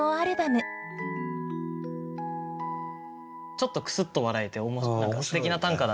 ちょっとクスッと笑えてすてきな短歌だなと。